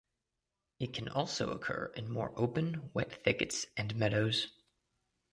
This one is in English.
It can also occur in more open wet thickets and meadows.